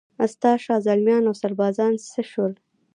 ستا شازلمیان اوسربازان څه شول؟